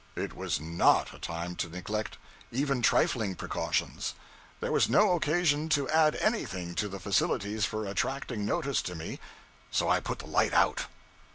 It was not a time to neglect even trifling precautions. There was no occasion to add anything to the facilities for attracting notice to me so I put the light out.